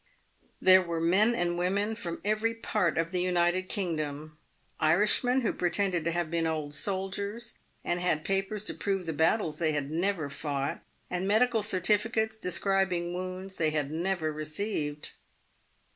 l^ There were men and women from every part of the United King dom. Irishmen, who pretended to have been old soldiers, and had papers to prove the battles they had never fought, and medical certificates de PAVED WITH GOLD. 269 scribing the wounds they had never received.